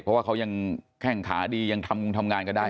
เพราะว่าเขายังแข้งขาดียังทำงงทำงานก็ได้